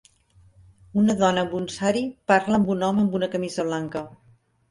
Una dona amb un sari parla amb un home amb una camisa blanca.